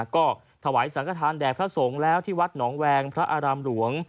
ก็ถวายสังกฐานแด่พระสงฆ์แล้วที่วัดหนองแวงพระอารามหลวง